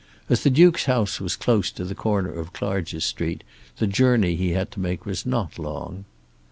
As the Duke's house was close to the corner of Clarges Street the journey he had to make was not long.